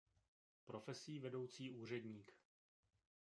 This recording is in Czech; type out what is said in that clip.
Profesí vedoucí úředník.